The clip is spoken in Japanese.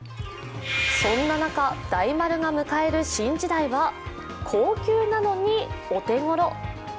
そんな中、大丸が迎える新時代は高級なのにお手頃。